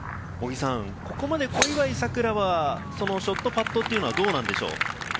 ここまで小祝さくらは、そのショット、パットっていうのはどうなんでしょう。